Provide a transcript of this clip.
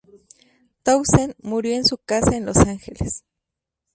Townsend murió en su casa en Los Ángeles.